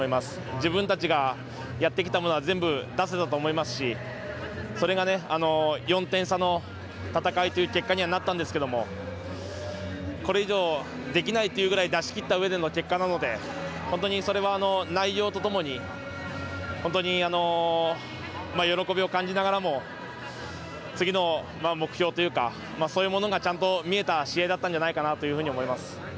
自分たちがやってきたものは全部、出せたと思いますしそれが、４点差の戦いという結果にはなったんですけどこれ以上できないっていうぐらい出しきった結果なので本当にそれは内容とともに本当に喜びを感じながらも次の目標というかそういうものがちゃんと見えた試合だったんじゃないかなと思います。